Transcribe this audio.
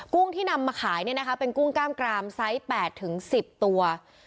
ุ้งที่นำมาขายเป็นกุ้งกล้ามกรามไซส์๘๑๐ตัว